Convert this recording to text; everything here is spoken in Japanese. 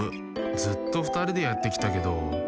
ずっとふたりでやってきたけど。